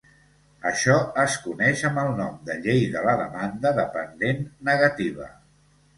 Això es coneix amb el nom de Llei de la Demanda de Pendent Negativa.